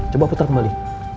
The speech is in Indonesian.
coba putar kembali